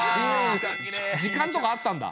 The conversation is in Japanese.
時間とかあったんだ。